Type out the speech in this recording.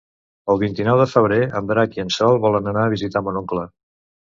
El vint-i-nou de febrer en Drac i en Sol volen anar a visitar mon oncle.